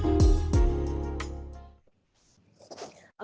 udah paham ya